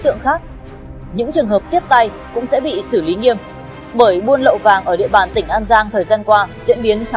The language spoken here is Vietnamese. để là thực hiện các cái hành vi là buôn lậu của mình